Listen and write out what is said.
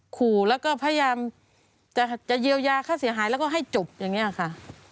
ขู่แล้วก็พยายามจะเยียวยาค่าเสียหายแล้วก็ให้จบอย่างนี้ค่ะ